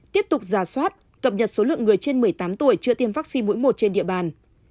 tiếp tục giả soát cập nhật số lượng người trên một mươi tám tuổi chưa tiêm vaccine mũi một trên địa bàn